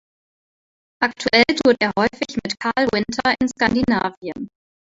Aktuell tourt er häufig mit Carl Winther in Skandinavien.